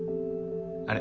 あれ？